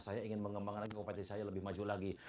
saya ingin mengembangkan kompetensi saya lebih maju lagi